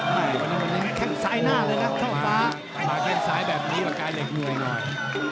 วันนี้มันแข่งสายหน้าเลยนะเท่าฟ้ามาแข่งสายแบบนี้ก็กลายเป็นย่วงหน่อย